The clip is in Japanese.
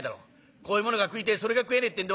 こういうものが食いてえそれが食えねえってんでわずら。